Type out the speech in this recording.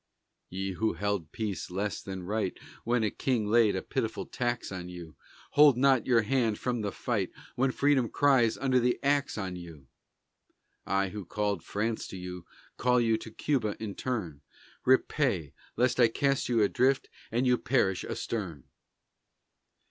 Ye who held peace less than right When a king laid a pitiful tax on you, Hold not your hand from the fight When freedom cries under the axe on you! (I who called France to you, call you to Cuba in turn! Repay lest I cast you adrift and you perish astern!)